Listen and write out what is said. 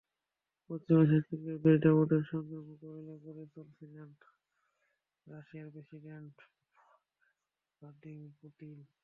পশ্চিমা শক্তিকে বেশ দাপটের সঙ্গেই মোকাবিলা করে চলছিলেন রাশিয়ার প্রেসিডেন্ট ভ্লাদিমির পুতিন।